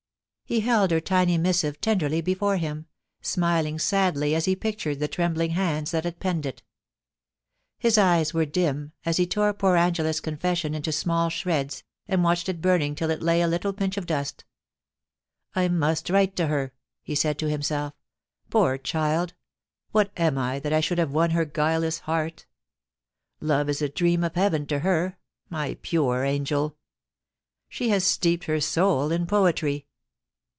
* He held her tiny missive tenderly before him, smiling sadly as he pictured the trembling hands that had penned it His eyes were dim as he tore poor Angela's confession into small shreds, and watched it burning till it lay a little pinch of dust ' I must write to her,' he said to himself. * Poor child ! What am I that I should have won her guileless heart ? Love is a dream of heaven to her — my pure Angel \ She has steeped her soul in poetry.